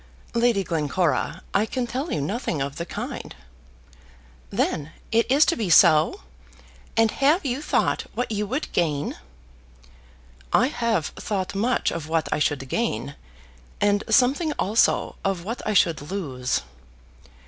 "Lady Glencora, I can tell you nothing of the kind." "Then it is to be so! And have you thought what you would gain?" "I have thought much of what I should gain: and something also of what I should lose."